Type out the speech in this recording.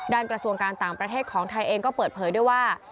กระทรวงการต่างประเทศของไทยเองก็เปิดเผยด้วยว่า